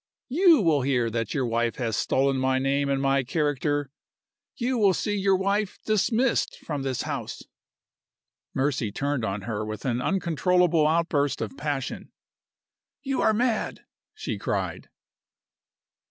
"You will hear that your wife has stolen my name and my character! You will see your wife dismissed from this house!" Mercy turned on her with an uncontrollable outburst of passion. "You are mad!" she cried.